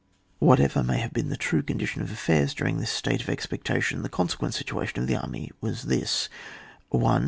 Whatever may have been the true con dition of affairs during this state of expectation, the consequent situation of the army was this :— 1.